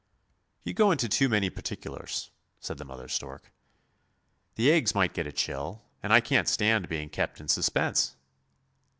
" You go into too many particulars," said the mother stork; " the eggs might get a chill, and I can't stand being kept in suspense."